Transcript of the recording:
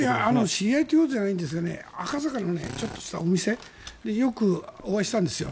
知り合いというほどじゃないんですが赤坂のちょっとしたお店でよくお会いしたんですよ。